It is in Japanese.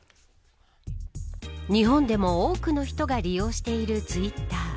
日本でも多くの人が利用しているツイッター。